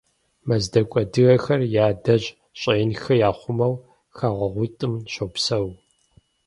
Мэздэгу адыгэхэр я адэжь щӏэинхэр яхъумэу хэгъуэгуитӏым щопсэу.